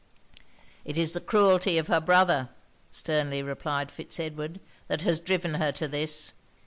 'It is the cruelty of her brother,' sternly replied Fitz Edward, 'that has driven her to this.